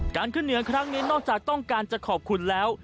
ขึ้นเหนือครั้งนี้นอกจากต้องการจะขอบคุณแล้ว